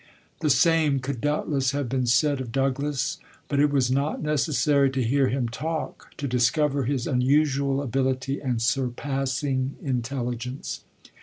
'" The same could doubtless have been said of Douglass; but it was not necessary to hear him talk, to discover his unusual ability and surpassing intelligence.